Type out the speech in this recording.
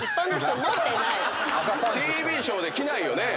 ＴＶショーで着ないよね